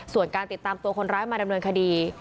ส่วนการติดตามตัวคนร้ายมาดำเนินคดี